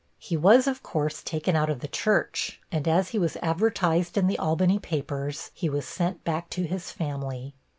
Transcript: He was, of course, taken out of the church, and as he was advertised in the Albany papers, he was sent back to his family.